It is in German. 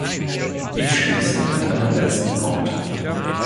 Ich schließe mit einem letzten Punkt.